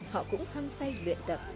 họ cũng hăng say luyện tập